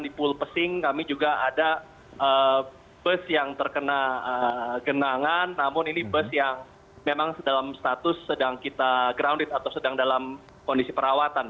di pul pesing kami juga ada bus yang terkena genangan namun ini bus yang memang dalam status sedang kita grounded atau sedang dalam kondisi perawatan